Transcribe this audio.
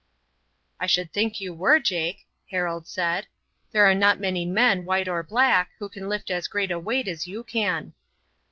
"I should think you were, Jake," Harold said. "There are not many men, white or black, who can lift as great a weight as you can."